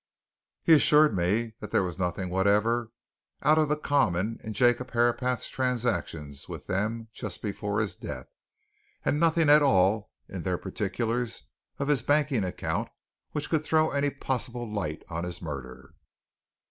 He assured me that there was nothing whatever out of the common in Jacob Herapath's transactions with them just before his death, and nothing at all in their particulars of his banking account which could throw any possible light on his murder."